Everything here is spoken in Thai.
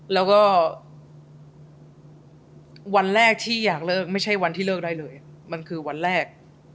แล้วก็วันแรกที่อยากเลิกไม่ใช่วันที่เลิกได้เลยมันคือวันแรก